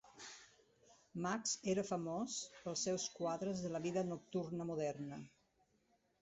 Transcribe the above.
Maks era famós pels seus quadres de la vida nocturna moderna.